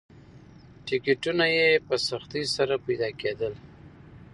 ټکټونه یې په سختۍ سره پیدا کېدل.